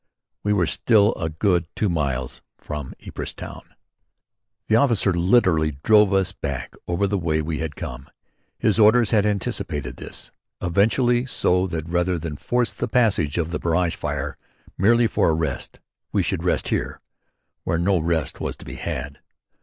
We were still a good two miles from Ypres town. The officer literally drove us back over the way we had come. His orders had anticipated this eventuality so that rather than force the passage of the barrage fire, merely for a rest, we should rest here where no rest was to be had.